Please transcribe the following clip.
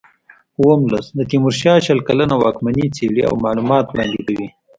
اووم لوست د تیمورشاه شل کلنه واکمني څېړي او معلومات وړاندې کوي.